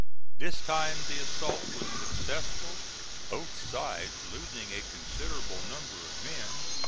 This time the assault was successful, both sides losing a considerable number of men.